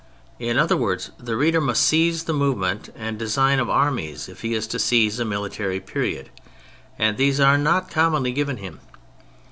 In other words, the reader must seize the movement and design of armies if he is to seize a mili tary period, and these are not commonly given him.